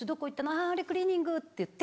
「あぁあれクリーニング」って言って。